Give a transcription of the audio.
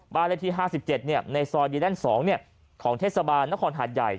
บ้านที่๕๗ในซอยดีด้าน๒ของเทศบาลนครหัดใหญ่